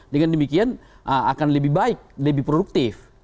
dengan demikian akan lebih baik lebih produktif